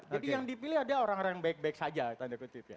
jadi yang dipilih adalah orang orang yang baik baik saja tanda kutip ya